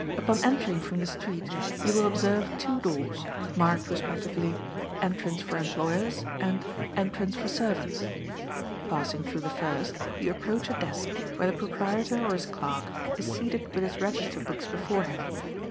Upon entering from the street you will observe two doors, marked respectively "ENTRANCE FOR EMPLOYERS" and "ENTRANCE FOR SERVANTS." Passing through the first, you approach a desk, where the proprietor or his clerk is seated with his register books before him.